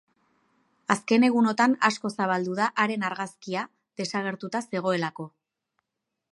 Azken egunotan asko zabaldu da haren argazkia desagertuta zegoelako.